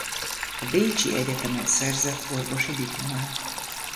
A bécsi egyetemen szerzett orvosi diplomát.